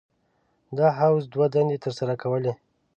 دا حوض دوه دندې تر سره کولې.